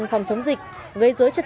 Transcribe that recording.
phòng chống dịch covid một mươi chín